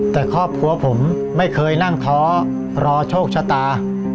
แต่ครอบครัวผมไม่เคยนั่งท้อรอโชคชะตา